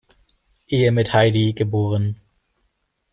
Ehe mit Heidi, geb.